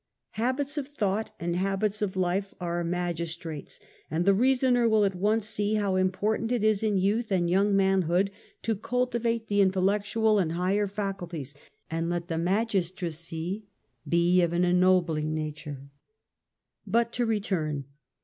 Habits of thought and habits of life are magis trates, and the reasoner will at once see how import ant it is in youth and young manhood to cultivate the intellectual and higher faculties, and let the mag istracy be of an ennobling nature. But to return.